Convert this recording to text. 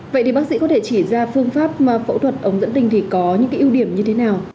vậy thì bác sĩ có thể chỉ ra phương pháp phẫu thuật ống dẫn tình thì có những cái ưu điểm như thế nào